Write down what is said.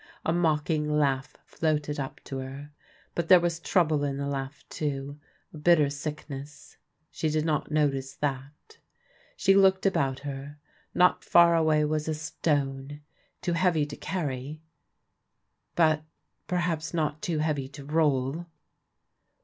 A mocking laugh floated up to her. But there was trouble in the laugh too — a bitter sickness. She did not notice that. She looked about her. Not far away was a stone, too heavy to carry but perhaps not too heavy to roll